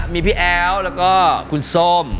มีพี่แอ๋วและคุณโซม